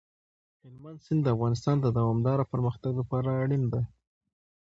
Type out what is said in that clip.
هلمند سیند د افغانستان د دوامداره پرمختګ لپاره اړین دی.